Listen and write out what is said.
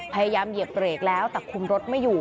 พยายามเหยียบเหล็กแล้วแต่คุมรถไม่อยู่